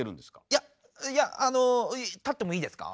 いやいやあの立ってもいいですか。